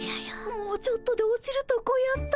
もうちょっとで落ちるとこやった。